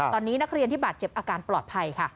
ตอนนี้นักเรียนที่บาดเจ็บอาการปลอดภัยค่ะ